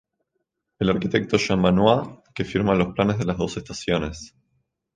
El arquitecto Jean Benoit que firma los planes de las dos estaciones.